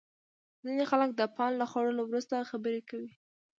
ځینې خلک د پان له خوړلو وروسته خبرې کوي.